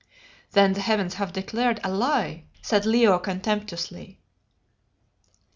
"Then the heavens have declared a lie," said Leo contemptuously.